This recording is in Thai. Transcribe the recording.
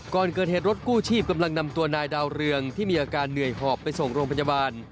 ก่อนเกิดเหตุรถกู้ชีพกำลังนำตัวนายดาวเรืองที่มีอาการเหนื่อยหอบไปส่งโรงพยาบาล